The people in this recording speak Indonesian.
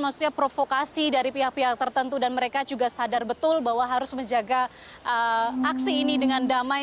maksudnya provokasi dari pihak pihak tertentu dan mereka juga sadar betul bahwa harus menjaga aksi ini dengan damai